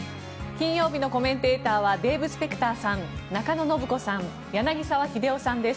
金曜日のコメンテーターはデーブ・スペクターさん中野信子さん、柳澤秀夫さんです